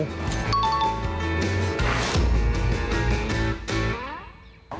มันนุ่มมาก